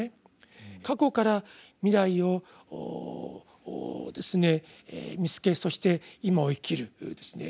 過去から未来を見つけそして今を生きる。